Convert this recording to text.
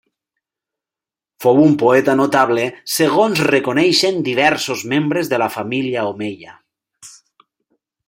Fou un poeta notable segons reconeixen diversos membres de la família omeia.